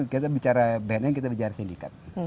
kita bicara bnn kita bicara sindikat